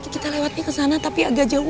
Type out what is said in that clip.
kita lewatnya ke sana tapi agak jauh